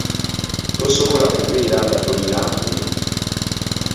Tosobola kubeera nga tolina nkumbi.